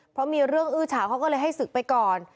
เพราะมีเรื่องอื้อเฉาเขาก็เลยให้ศึกไปก่อน